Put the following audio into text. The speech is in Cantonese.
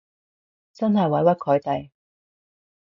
真係委屈佢哋